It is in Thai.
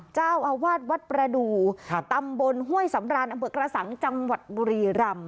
เจ้าอาวาสวัดประดูตำบลห้วยสำรานอำเภอกระสังจังหวัดบุรีรำ